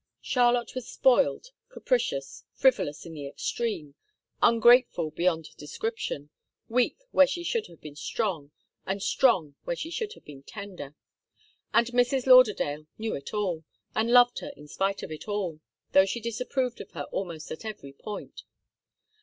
Charlotte was spoiled, capricious, frivolous in the extreme, ungrateful beyond description, weak where she should have been strong and strong where she should have been tender. And Mrs. Lauderdale knew it all, and loved her in spite of it all, though she disapproved of her almost at every point.